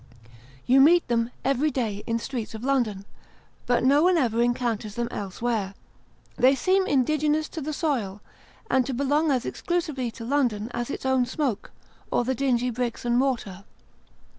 You meet them, every day, in the streets of London, but no one ever encounters them else where ; they seem indigenous to the soil, and to belong as exclusively to London as its own smoke, or the dingy bricks and mortar.